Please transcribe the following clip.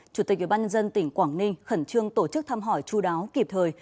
chủ tịch ủy ban nhân dân tỉnh quảng ninh khẩn trương tổ chức thăm hỏi chú đáo kịp thời